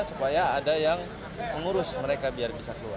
supaya ada yang mengurus mereka biar bisa keluar